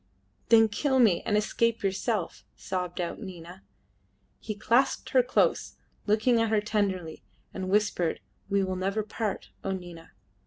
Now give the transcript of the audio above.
"Then kill me and escape yourself," sobbed out Nina. He clasped her close, looking at her tenderly, and whispered, "We will never part, O Nina!"